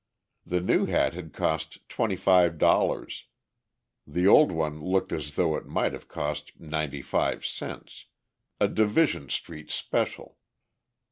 The new hat had cost twenty five dollars. The old one looked as though it might have cost ninety five cents—a "Division Street Special."